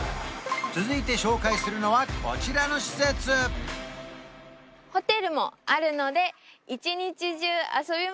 続いて紹介するのはこちらの施設ジャーン！